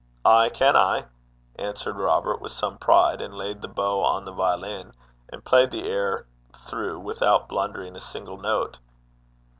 'Ay can I,' answered Robert, with some pride, and laid the bow on the violin, and played the air through without blundering a single note.